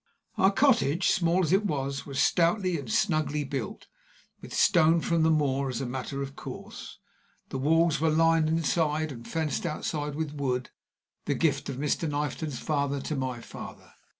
Our cottage, small as it was, was stoutly and snugly built, with stone from the moor as a matter of course. The walls were lined inside and fenced outside with wood, the gift of Mr. Knifton's father to my father.